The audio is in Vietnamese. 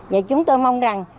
và chúng tôi mong rằng